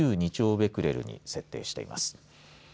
ベクレルに設定しています。